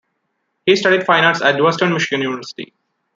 He studied fine arts at Western Michigan University.